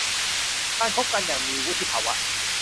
การคบกันอย่างมีวุฒิภาวะ